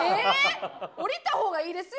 降りた方がいいですよ。